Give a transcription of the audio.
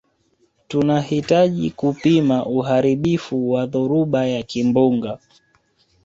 tunahitaji kupima uharibifu wa dhoruba ya kimbunga